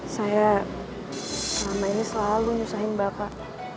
saya selama ini selalu menyusahkan mbak pak